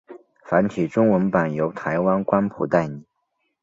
繁体中文版由台湾光谱代理。